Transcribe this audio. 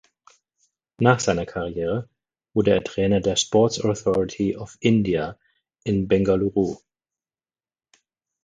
Nach seiner Karriere wurde er Trainer der Sports Authority of India in Bengaluru.